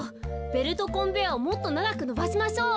ベルトコンベヤーをもっとながくのばしましょう。